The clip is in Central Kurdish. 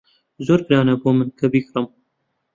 زۆر گرانە بۆ من کە بیکڕم.